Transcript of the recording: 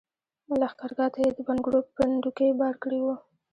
لښګرګاه ته یې د بنګړو پنډوکي بار کړي وو.